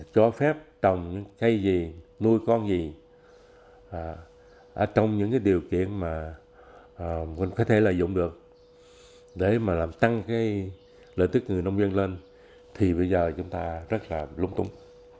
cho phép trồng cây gì nuôi con gì trong những điều kiện mà mình có thể lợi dụng được để mà tăng lợi tức người nông dân lên thì bây giờ chúng ta rất là lúng túng